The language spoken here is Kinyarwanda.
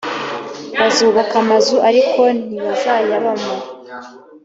bazubaka amazu ariko ntibazayabamo